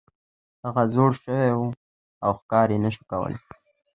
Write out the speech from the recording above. هغه زوړ شوی و او ښکار یې نشو کولی.